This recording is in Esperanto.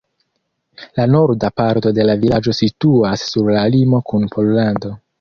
La norda parto de la vilaĝo situas sur la limo kun Pollando.